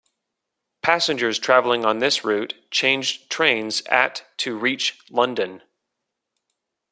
Passengers travelling on this route changed trains at to reach London.